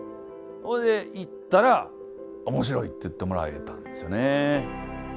ほいで行ったら「面白い」って言ってもらえたんですよね。